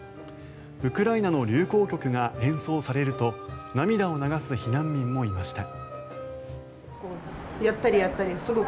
ウクライナの流行曲が演奏されると涙を流す避難民もいました。